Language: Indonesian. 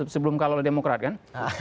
sebelum kalau demokrat kan